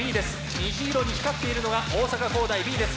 虹色に光っているのが大阪公大Ｂです。